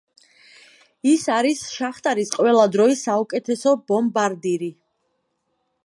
ის არის შახტარის ყველა დროის საუკეთესო ბომბარდირი.